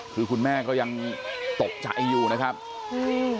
คืนคุณแม่ก็ยังตกจ่ะไอ้หิ้วนะครับอืม